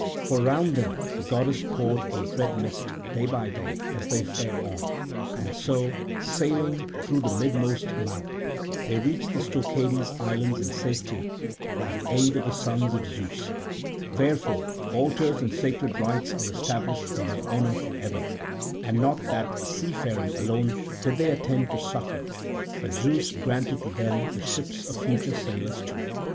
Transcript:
For round them the goddess poured a dread mist day by day as they fared on. And so, sailing through the midmost mouth, they reached the Stoechades islands in safety by the aid of the sons of Zeus; wherefore altars and sacred rites are established in their honour for ever; and not that sea faring alone did they attend to succour; but Zeus granted to them the ships of future sailors too.